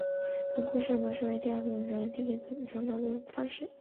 本作故事模式的第二轮则是能够用与第一轮不同的路线来游玩的方式。